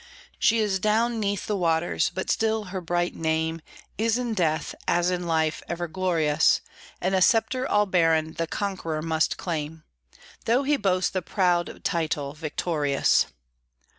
She is down 'neath the waters, but still her bright name Is in death, as in life, ever glorious, And a sceptre all barren the conqueror must claim, Though he boasts the proud title "Victorious."